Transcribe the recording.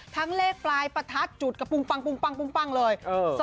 ทั้งเลขปลายประทัดจุดกระปุ้งเลย